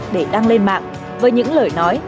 để đăng lên mạng với những lời nói